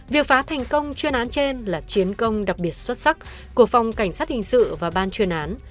việc phá thành công chuyên án trên là chiến công đặc biệt xuất sắc của phòng cảnh sát hình sự và ban chuyên án